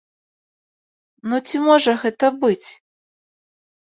Ну ці можа гэта быць?